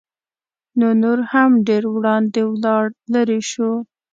نو نور هم ډېر وړاندې ولاړ لېرې شو.